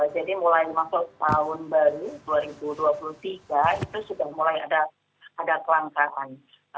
jadi mulai masuk tahun baru dua ribu dua puluh tiga itu sudah mulai ada kelangkaan